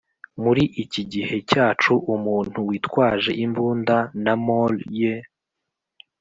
muri iki gihe cyacu umuntu witwaje imbunda na moll ye